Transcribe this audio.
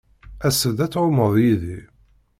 As-d ad tɛummeḍ yid-i.